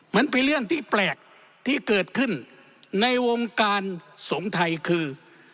มันเป็นเรื่องที่แปลกที่เกิดขึ้นในวงการสงฆ์ไทยคือ